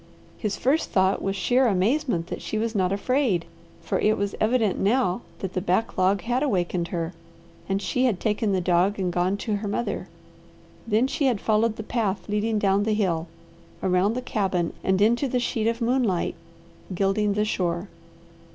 His first thought was sheer amazement that she was not afraid, for it was evident now that the backlog had awakened her, and she had taken the dog and gone to her mother. Then she had followed the path leading down the hill, around the cabin, and into the sheet of moonlight gilding the shore.